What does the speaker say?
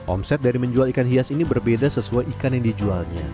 omset dari menjual ikan hias ini berbeda sesuai ikan yang dijualnya